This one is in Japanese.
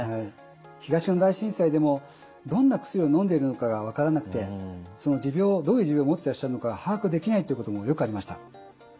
東日本大震災でもどんな薬をのんでいるのかが分からなくてどういう持病を持ってらっしゃるのか把握できないということもよくありました。